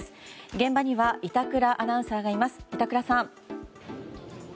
現場には板倉アナウンサーがいます。